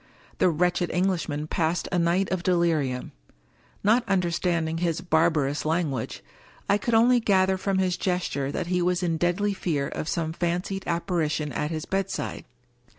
The wretched Englishman passed a night of delirium. Not un derstanding his barbarous language, I could only gather from his gesture that he was in deadly fear of some fan cied apparition at his bedside.